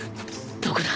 どこだ？